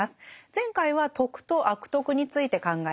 前回は「徳」と「悪徳」について考えました。